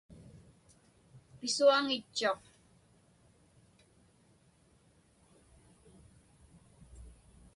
Pisuaŋitchuq.